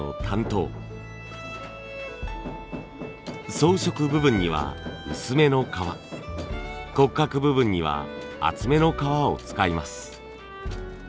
装飾部分には薄めの革骨格部分には厚めの革を使います。